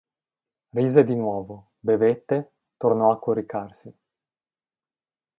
Rise di nuovo, bevette, tornò a coricarsi.